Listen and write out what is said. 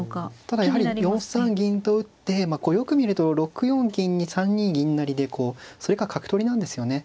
ただやはり４三銀と打ってよく見ると６四金に３二銀成でそれが角取りなんですよね。